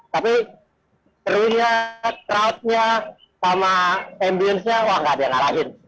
tapi crew nya crowd nya sama ambience nya wah nggak ada yang ngalahin